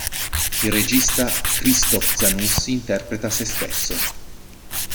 Il regista Krzysztof Zanussi interpreta se stesso.